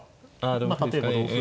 まあ例えば同歩で。